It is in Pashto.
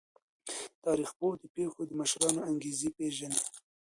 تاریخ پوه د پیښو د مشرانو انګیزې پیژني.